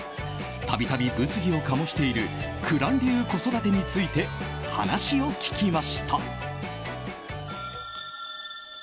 度々、物議を醸している紅蘭流子育てについて話を聞きました。